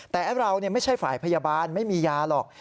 แต่เราไม่ใช่ฝ่ายพยาบาลไม่มียาหรอก